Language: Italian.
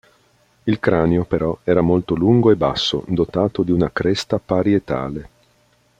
Il cranio, però, era molto lungo e basso, dotato di una cresta parietale.